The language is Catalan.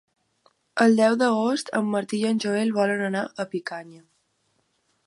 El deu d'agost en Martí i en Joel volen anar a Picanya.